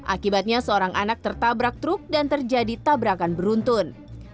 akibatnya seorang anak tertabrak truk dan terjadi tabrakan beruntun